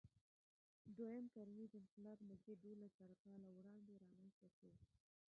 دوهیم کرنیز انقلاب نږدې دولسزره کاله وړاندې رامنځ ته شو.